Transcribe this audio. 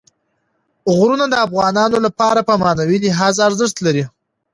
غرونه د افغانانو لپاره په معنوي لحاظ ارزښت لري.